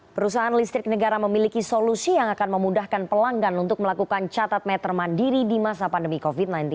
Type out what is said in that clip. perusahaan listrik negara memiliki solusi yang akan memudahkan pelanggan untuk melakukan catat meter mandiri di masa pandemi covid sembilan belas